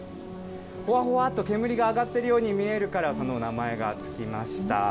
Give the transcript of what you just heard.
ほわほわっと煙が上がってるように見えるから、その名前が付きました。